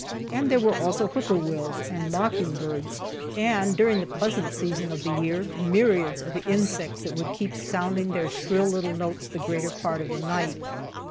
And there were also whippoorwills, and mocking birds, and, during the pleasant season of the year, myriads of insects that would keep sounding their shrill little notes the greater part of the night.